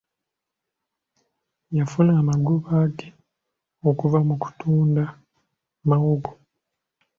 Yafuna amagoba ge okuva mu kutunda mawogo.